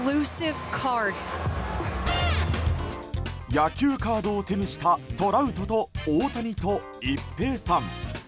野球カードを手にしたトラウトと大谷と一平さん。